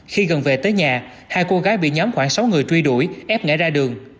khi gần về tới nhà hai cô gái bị nhóm khoảng sáu người truy đuổi ép ngã ra đường